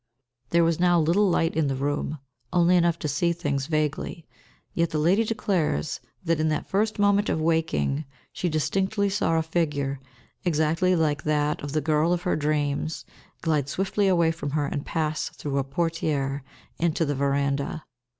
There was now little light in the room, only enough to see things vaguely, yet the lady declares that in that first moment of waking she distinctly saw a figure, exactly like that of the girl of her dreams, glide swiftly away from her and pass out through a portière into the verandah.